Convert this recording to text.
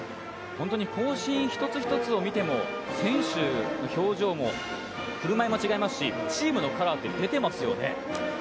行進一つ一つを見ても選手の表情も振る舞いも違いますし、チームのカラーが出ていますよね。